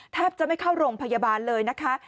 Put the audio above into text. แทบจะไม่เข้าโรงพยาบาลเลยนะคะ